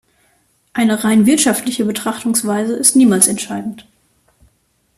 Eine rein wirtschaftliche Betrachtungsweise ist niemals entscheidend.